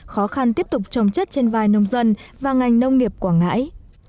khó khăn tiếp tục trồng chất trên vai nông dân và ngành nông nghiệp quảng ngãi